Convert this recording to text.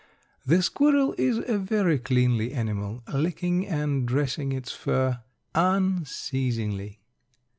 The squirrel is a very cleanly animal, licking and dressing its fur unceasingly.